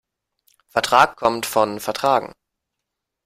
Vertrag kommt von vertragen.